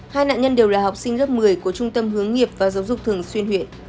hai nạn nhân đều là học sinh lớp một mươi của trung tâm hướng nghiệp và giáo dục thường xuyên huyện